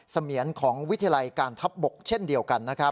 เสมียนของวิทยาลัยการทัพบกเช่นเดียวกัน